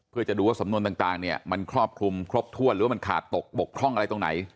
เพื่อจะดูว่าสำนวนต่างเนี่ยมันครอบคลุมครบถ้วนหรือว่ามันขาดตกบกพร่องอะไรตรงไหน